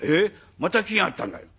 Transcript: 「また来やがったんだよ」。